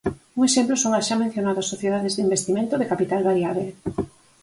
Un exemplo son as xa mencionadas sociedades de investimento de capital variábel.